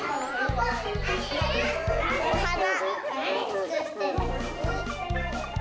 おはな。